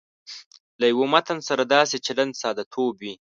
له یوه متن سره داسې چلند ساده توب وي.